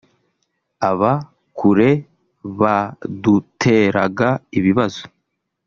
Aba kure baduteraga ibibazo